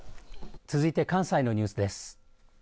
続いて関西のニュースです。